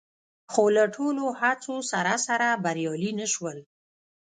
خو له ټولو هڅو سره سره بریالي نه شول